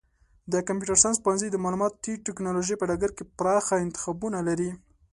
د کمپیوټر ساینس پوهنځی د معلوماتي ټکنالوژۍ په ډګر کې پراخه انتخابونه لري.